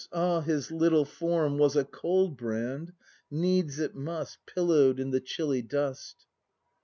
Ah, his Httle form Was a cold, Brand! Needs it must, Pillow'd in the chilly dust.